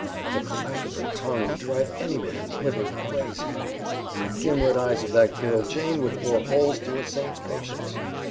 The clack of her tongue would drive any man living crazy, and the gimlet eyes of that girl Jane would bore holes through a saint's patience.